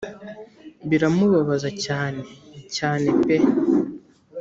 biramubabaza cyane cyane pe